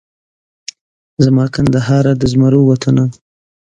زما کندهاره د زمرو وطنه